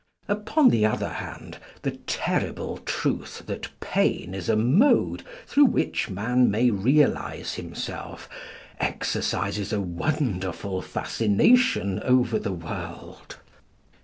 Upon the other hand, the terrible truth that pain is a mode through which man may realise himself exercises a wonderful fascination over the world.